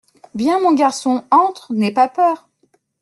Viens, mon garçon, entre, n’aie pas peur!